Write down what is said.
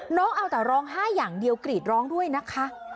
น้องเอาแต่ร้องไห้อย่างเดียวกรีดร้องด้วยนะคะ